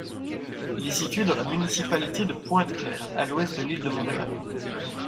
Il est situé dans la municipalité de Pointe-Claire, à l'ouest de l'île de Montréal.